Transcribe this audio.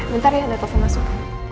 bentar ya net telepon masuk